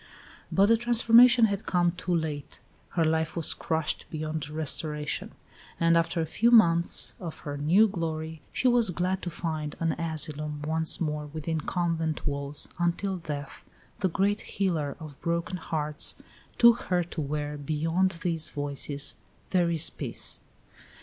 But the transformation had come too late; her life was crushed beyond restoration; and after a few months of her new glory she was glad to find an asylum once more within convent walls, until Death, the great healer of broken hearts, took her to where, "beyond these voices, there is peace."